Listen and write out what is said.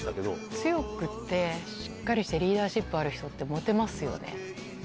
強くて、しっかりしたリーダーシップある人って、モテますよね。